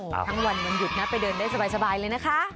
ทั้งวันวันหยุดนะไปเดินได้สบายเลยนะคะ